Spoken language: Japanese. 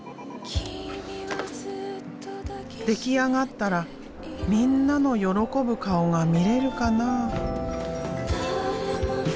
出来上がったらみんなの喜ぶ顔が見れるかな？